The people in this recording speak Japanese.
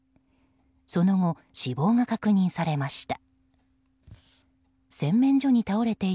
その後、死亡が確認されました。